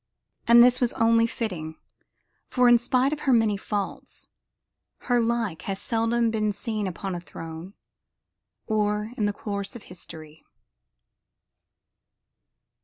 And this was only fitting, for in spite of her many faults, her like has seldom been seen upon a throne or in the course of history.